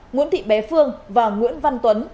nguyễn thị bé phương và nguyễn văn tuấn